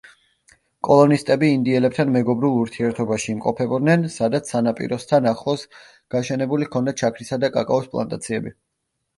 კოლონისტები ინდიელებთან მეგობრულ ურთიერთობაში იმყოფებოდნენ, სადაც სანაპიროსთან ახლოს გაშენებული ჰქონდათ შაქრისა და კაკაოს პლანტაციები.